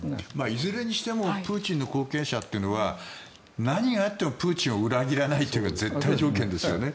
いずれにしてもプーチンの後継者というのは何があってもプーチンを裏切らないというのが絶対条件ですよね。